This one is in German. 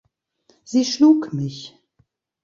Sie schlug mich.